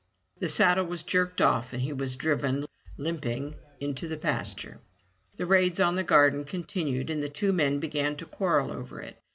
The saddle was jerked off, and he was driven, limping, into the pasture. The raids on the garden continued, and the two men began to quarrel over it.